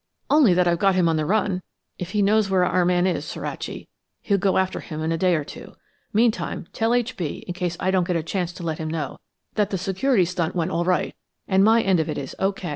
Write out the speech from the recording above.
"Only that I've got him on the run. If he knows where our man is, Suraci, he'll go after him in a day or two. Meantime, tell H. B., in case I don't get a chance to let him know, that the securities stunt went, all right, and my end of it is O.